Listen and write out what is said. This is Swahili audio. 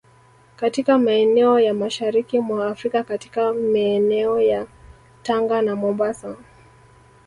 katika maeneo ya Mashariki mwa Afrika katika meeneo ya Tanga na Mombasa